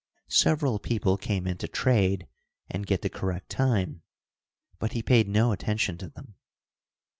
Several people came in to trade and get the correct time, but he paid no attention to them.